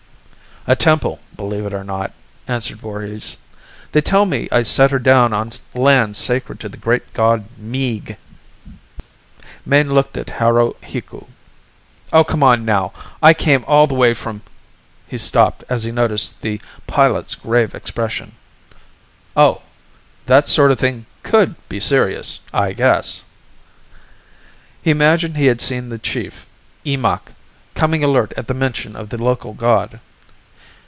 "A temple, believe it or not," answered Voorhis. "They tell me I set her down on land sacred to the great god Meeg!" Mayne looked at Haruhiku. "Oh, come on, now! I came all the way from " He stopped as he noticed the pilot's grave expression. "Oh! That sort of thing could be serious, I guess." He imagined he had seen the chief, Eemakh, come alert at the mention of the local god.